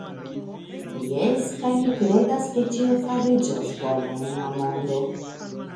Jes, kaj mi kredas, ke ĉio fariĝos bona en la mondo.